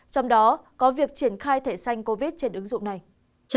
trong đó có việc triển khai thẻ xanh covid trên ứng dụng này